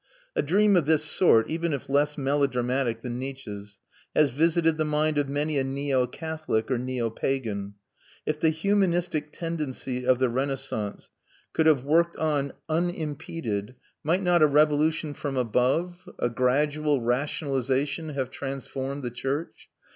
A dream of this sort, even if less melodramatic than Nietzsche's, has visited the mind of many a neo Catholic or neo pagan. If the humanistic tendencies of the Renaissance could have worked on unimpeded, might not a revolution from above, a gradual rationalisation, have transformed the church?